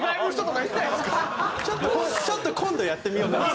ちょっとちょっと今度やってみようかな。